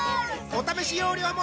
お試し容量も